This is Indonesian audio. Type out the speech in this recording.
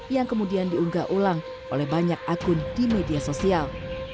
yang kemudian diunggah ulang oleh banyak akun di media sosial